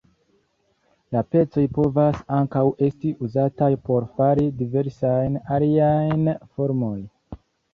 La pecoj povas ankaŭ esti uzataj por fari diversajn aliajn formojn.